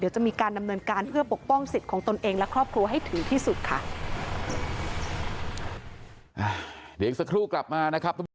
เดี๋ยวอีกสักครู่กลับมานะครับ